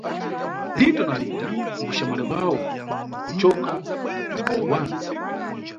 Lito na Lita mbuxamwali bwawo kucoka akali wana.